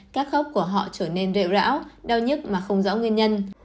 các khớp của họ trở nên rẹo rão đau nhất mà không rõ nguyên nhân